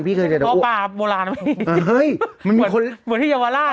พี่เคยเจอโรควายอันนั้นไม่เอ้ยเห้ยมันมีคนหัวที่เยาวราช